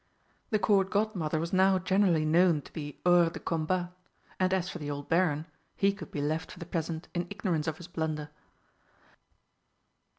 The Court Godmother was now generally known to be hors de combat, and as for the old Baron, he could be left for the present in ignorance of his blunder.